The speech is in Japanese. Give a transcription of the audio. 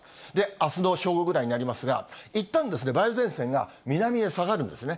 あすの正午ぐらいになりますが、いったん梅雨前線が南へ下がるんですね。